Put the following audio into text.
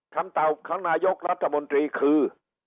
เต่าของนายกรัฐมนตรีคือ